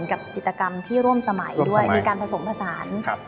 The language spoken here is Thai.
กับจิตกรรมที่ร่วมสมัยด้วยมีการผสมผสานครับ